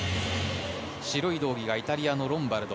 白い道着がイタリアのロンバルド。